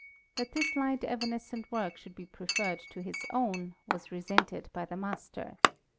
That this light evanescent work should be preferred to his own, was resented by the master.